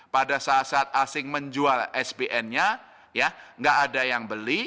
pada saat saat asing menjual sbn nya ya nggak ada yang beli